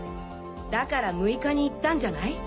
だから６日に行ったんじゃない？